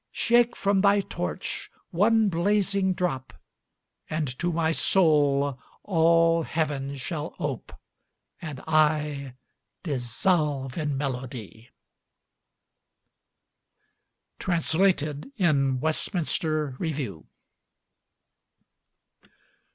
Shake from thy torch one blazing drop, And to my soul all heaven shall ope, And I dissolve in melody! Translated in Westminster Review.